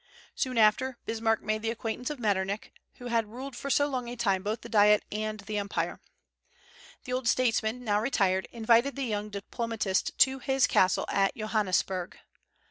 Soon after, Bismarck made the acquaintance of Metternich, who had ruled for so long a time both the Diet and the Empire. The old statesman, now retired, invited the young diplomatist to his castle at Johannisberg.